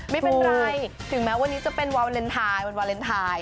ไม่เป็นไรถึงแม้วันนี้จะเป็นวาเลนไทยวันวาเลนไทย